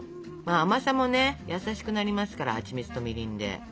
甘さもね優しくなりますからはちみつとみりんで。